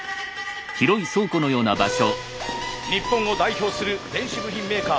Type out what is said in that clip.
日本を代表する電子部品メーカー。